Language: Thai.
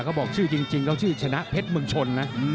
ก็บอกว่าชื่อจริงก็ชื่อชนะเพชรเมืองชน